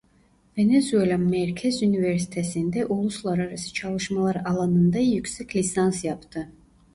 Venezuela Merkez Üniversitesi'nde uluslararası çalışmalar alanında yüksek lisans yaptı.